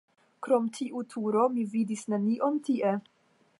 Krom tiu turo mi vidis nenion tie.